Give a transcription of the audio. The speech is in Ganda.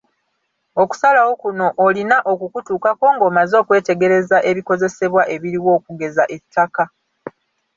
Okusalawo kuno olina okukutuukako ng’omaze okwetegereza ebikozesebwa ebiriwo okugeza ettaka.